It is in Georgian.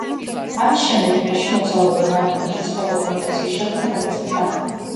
ამის შემდეგ ირანში მოგზაურობა და ამ ქვეყნის შესახებ დოკუმენტაციის შექმნა გადაწყვიტა.